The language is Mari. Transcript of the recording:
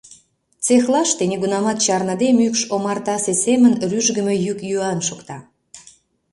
Цехлаште, нигунамат чарныде, мӱкш омартасе семын рӱжгымӧ йӱк-йӱан шокта.